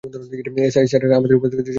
SI sir, অপরাধের দৃশ্যগুলো ভয়ংকর।